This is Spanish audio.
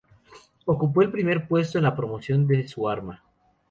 Ocupó el primer puesto en la promoción de su arma.